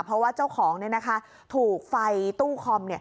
เพราะว่าเจ้าของถูกไฟตู้คอม